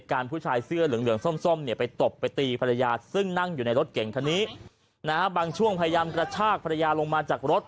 มันไม่ใช่เรื่องครอบครัวค่ะมันคือการทำร้ายร่างกาย